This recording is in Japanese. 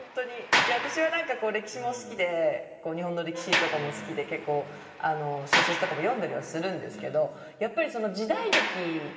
私は何かこう歴史も好きで日本の歴史とかも好きで結構小説とかも読んだりはするんですけど。